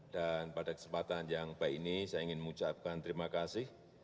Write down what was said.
dan pada kesempatan yang baik ini saya ingin mengucapkan terima kasih